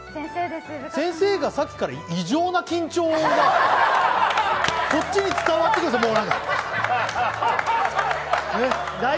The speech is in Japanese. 先生がさっきから異常な緊張が、こっちに伝わってくるんですよ、もう。